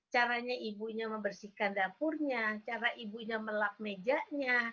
caranya ibunya membersihkan dapurnya cara ibunya melap mejanya